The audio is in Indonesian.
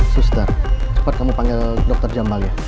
suster cepat kamu panggil dokter jambal ya